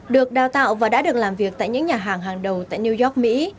được đào tạo và đã được làm việc tại những nhà hàng hàng đầu tại new york mỹ